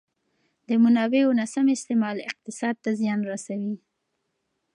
د منابعو ناسم استعمال اقتصاد ته زیان رسوي.